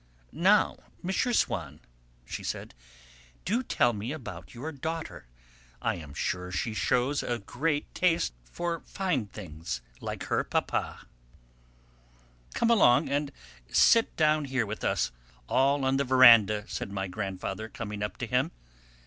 "Now, M. Swann," she said, "do tell me about your daughter; I am sure she shews a taste already for nice things, like her papa." "Come along and sit down here with us all on the verandah," said my grandfather, coming up to him.